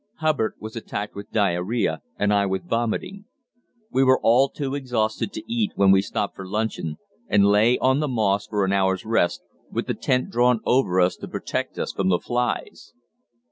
Hubbard was attacked with diarrhoea, and I with vomiting. We were all too exhausted to eat when we stopped for luncheon, and lay on the moss for an hour's rest, with the tent drawn over us to protect us from the flies.